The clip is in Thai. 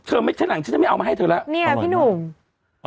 ไม่ใช่หลังฉันจะไม่เอามาให้เธอแล้วเนี่ยพี่หนุ่ม